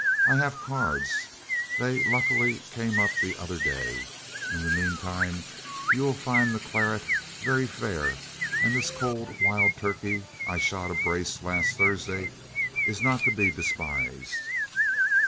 I have cards; they luckily came up the other day. In the meantime you will find the claret very fair, and this cold wild turkey I shot a brace last Thursday is not to be despised.'